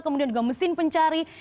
kemudian juga mesin pencari